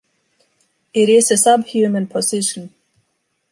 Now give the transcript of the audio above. It is a subhuman position.